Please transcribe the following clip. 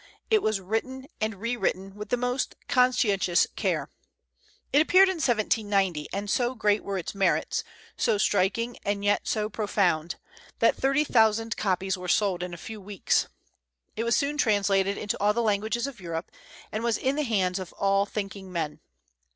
It was written and rewritten with the most conscientious care. It appeared in 1790; and so great were its merits, so striking, and yet so profound, that thirty thousand copies were sold in a few weeks. It was soon translated into all the languages of Europe, and was in the hands of all thinking men.